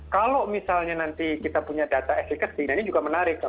kalau misalnya nanti kita punya data efikasi ini juga menarik